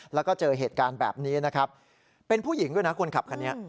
แล้วก็เจอเหตุการณ์แบบนี้นะครับเป็นผู้หญิงด้วยนะคนขับคันนี้